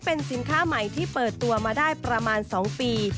เป็นสินค้าใหม่ที่เปิดตัวมาได้ประมาณ๒ปี